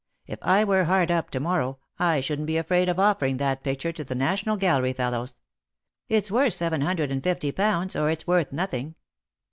If I were hard up to morrow, I shouldn't be afraid of offering that picture to the National Gallery fellows. It's worth seven hundred and fifty pounds or it's worth nothing."